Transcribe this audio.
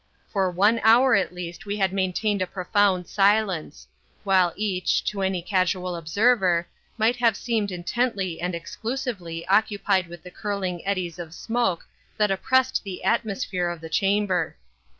For one hour at least we had maintained a profound silence; while each, to any casual observer, might have seemed intently and exclusively occupied with the curling eddies of smoke that oppressed the atmosphere of the chamber.